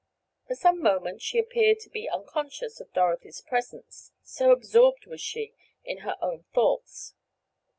For some moments she appeared to be unconscious of Dorothy's presence, so absorbed was she in her own thoughts.